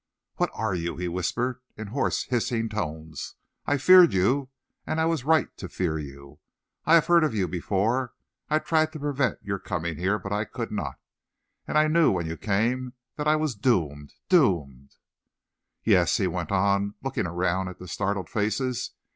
"What are you?" he whispered, in hoarse, hissing tones. "I feared you, and I was right to fear you. I have heard of you before. I tried to prevent your coming here, but I could not. And I knew, when you came, that I was doomed doomed! "Yes," he went on, looking around at the startled faces.